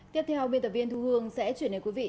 tiếp theo biên tập viên thu hương sẽ chuyển đến quý vị